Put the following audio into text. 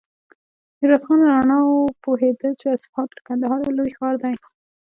ميرويس خان له رڼاوو وپوهېد چې اصفهان تر کندهاره لوی ښار دی.